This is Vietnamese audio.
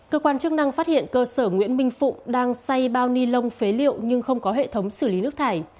cơ quan chức năng phát hiện cơ sở nguyễn minh phụng đang xây bao ni lông phế liệu nhưng không có hệ thống xử lý nước thải